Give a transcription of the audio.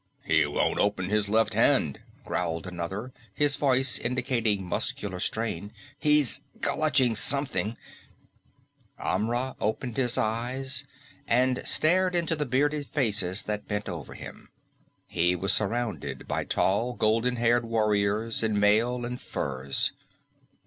"He won't open his left hand," growled another, his voice indicating muscular strain. "He's clutching something " Amra opened his eyes and stared into the bearded faces that bent over him. He was surrounded by tall golden haired warriors in mail and furs.